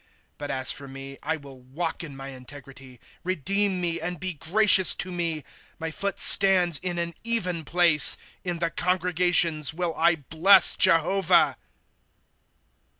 ^^ But as for me, I will walk in my integrity ; Redeem me, and be gracious to me. '^ My foot stands in an even place. In the congregations will I bless Jehovah.